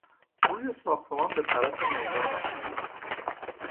روی ساختمان به طرف میدان است.